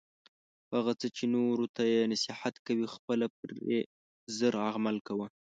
په هغه څه چې نورو ته یی نصیحت کوي خپله پری زر عمل کوه